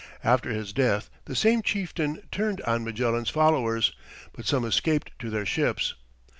After his death, the same chieftain turned on Magellan's followers, but some escaped to their ships.